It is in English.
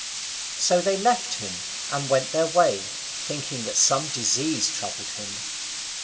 So they left him and went their way, thinking that some disease troubled him.